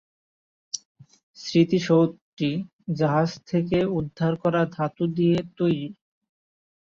স্মৃতিসৌধটি জাহাজ থেকে উদ্ধার করা ধাতু দিয়ে তৈরি।